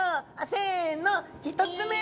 せの１つ目。